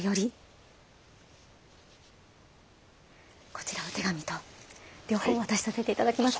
こちらお手紙と両方お渡しさせて頂きます。